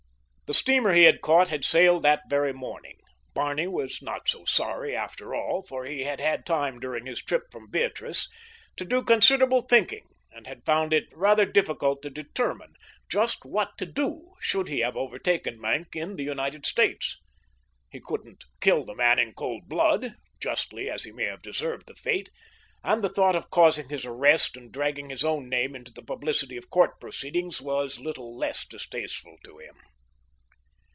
The steamer he had caught had sailed that very morning. Barney was not so sorry, after all, for he had had time during his trip from Beatrice to do considerable thinking, and had found it rather difficult to determine just what to do should he have overtaken Maenck in the United States. He couldn't kill the man in cold blood, justly as he may have deserved the fate, and the thought of causing his arrest and dragging his own name into the publicity of court proceedings was little less distasteful to him.